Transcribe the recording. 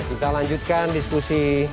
kita lanjutkan diskusi